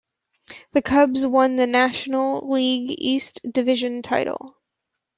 The Cubs won the National League East division title.